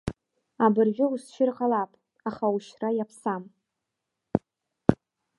Абыржәы усшьыр ҟалап, аха ушьра иаԥсам.